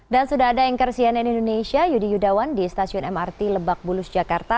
dan sudah ada yang kersianin indonesia yudi yudawan di stasiun mrt lebak bulus jakarta